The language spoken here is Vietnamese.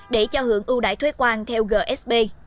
để cho hưởng ưu đãi thuế quan theo gsp